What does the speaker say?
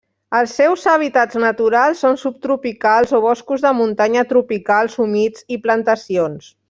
Els seus hàbitats naturals són subtropicals o boscos de muntanya tropicals humits i plantacions.